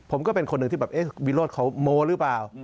ผมก็เป็นคนที่วิรุตน์เขามอหรือเปล่า